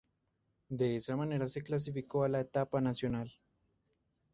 De esa manera se clasificó a la Etapa Nacional.